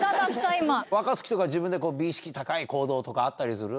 若槻とか自分で美意識高い行動とかあったりする？